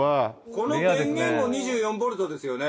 この電源も２４ボルトですよね？